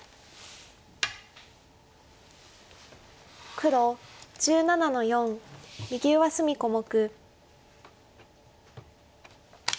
黒１７の四右上隅小目。